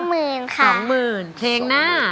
๒หมื่นค่ะ๒หมื่นเพลงหน้า